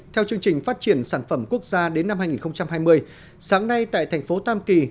theo chương trình phát triển sản phẩm quốc gia đến năm hai nghìn hai mươi sáng nay tại thành phố tam kỳ